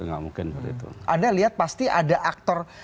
anda lihat pasti ada aktor